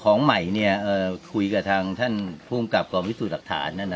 ของใหม่คุยกับท่านภูมิกับกรวมวิสูจน์หลักฐาน